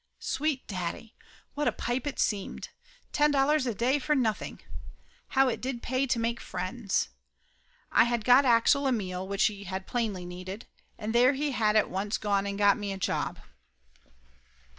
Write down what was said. Sweet daddy ! What a pipe it seemed. Ten dollars a day for nothing! How it did pay to make friends. I had got Axel a meal, which he had plainly needed, and there he had at once gone and got me a job!